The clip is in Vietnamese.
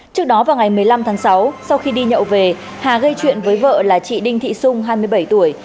trước đó vào ngày một mươi năm tháng sáu sau khi đi nhậu về hà gây chuyện với vợ là chị đinh thị xung hai mươi bảy tuổi